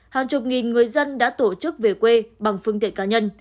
hàng chục nghìn người dân đã tổ chức về quê bằng phương tiện cá nhân